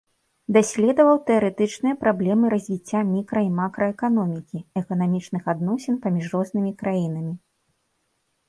Даследаваў тэарэтычныя праблемы развіцця мікра- і макраэканомікі, эканамічных адносін паміж рознымі краінамі.